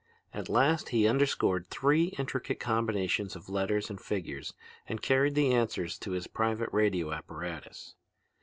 At last he underscored three intricate combinations of letters and figures and carried the answers to his private radio apparatus.